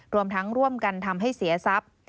รวมทั้งร่วมกันทำให้เสียทรัพย์